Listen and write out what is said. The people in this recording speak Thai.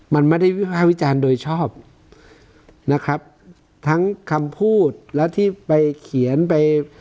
มันไม่ได้วิภาควิจารณ์โดยชอบนะครับทั้งคำพูดและที่ไปเขียนไป